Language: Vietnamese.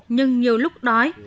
nhưng nhiều lúc đói